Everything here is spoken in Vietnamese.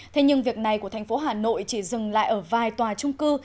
thế nhưng việc này của thành phố hà nội chỉ dừng lại ở vài tòa trung cư